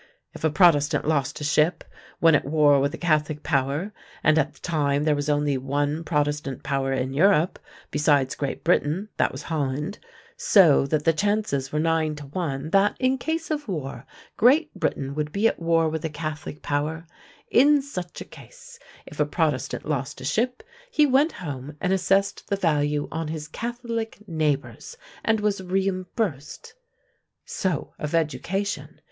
If a Protestant lost a ship, when at war with a Catholic power and at the time there was only one Protestant power in Europe, besides Great Britain; that was Holland: so that the chances were nine to one that, in case of war, Great Britain would be at war with a Catholic power in such a case, if a Protestant lost a ship, he went home and assessed the value on his Catholic neighbors, and was reimbursed. So, of education.